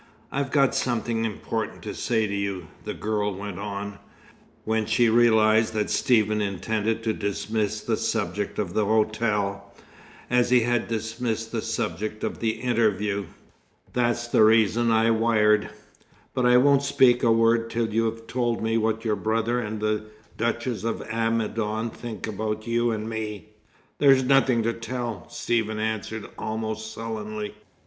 "I've got something important to say to you," the girl went on, when she realized that Stephen intended to dismiss the subject of the hotel, as he had dismissed the subject of the interview. "That's the reason I wired. But I won't speak a word till you've told me what your brother and the Duchess of Amidon think about you and me." "There's nothing to tell," Stephen answered almost sullenly.